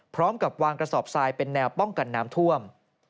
พร้อมกับวางกระสอบทรายเป็นแนวป้องกันน้ำท่วม